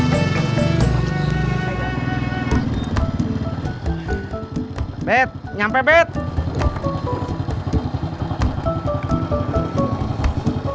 makasih bet sama sama kakak tisna